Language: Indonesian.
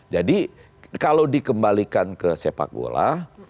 jadi kalau dikembalikan ke sepak bola